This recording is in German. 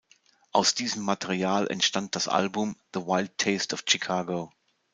Aus diesem Material entstand das Album "The Wild Taste of Chicago".